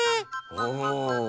おお。